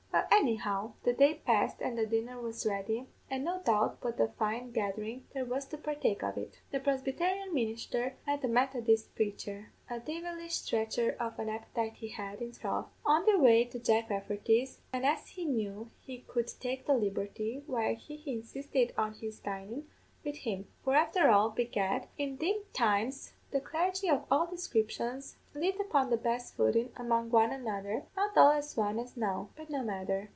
"Well, anyhow, the day passed and the dinner was ready, an' no doubt but a fine gatherin' there was to partake of it. The Prosbytarian ministher met the Methodist praicher a divilish stretcher of an appetite he had, in throth on their way to Jack Rafferty's, an' as he knew he could take the liberty, why he insisted on his dinin' wid him; for, afther all, begad, in thim times the clargy of all descriptions lived upon the best footin' among one another, not all as one as now but no matther.